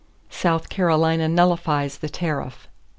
_South Carolina Nullifies the Tariff.